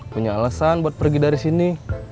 punya alasan buat pergi dari sini